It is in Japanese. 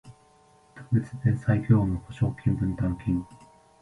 特別弁済業務保証金分担金